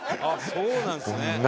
あっそうなんですね。